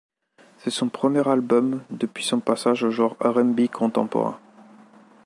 C'est son premier album depuis son passage au genre RnB contemporain.